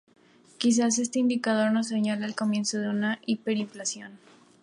Quizás este indicador nos señala el comienzo de una hiperinflación.